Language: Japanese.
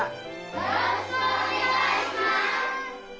よろしくお願いします！